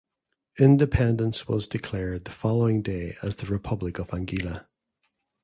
Independence was declared the following day as the Republic of Anguilla.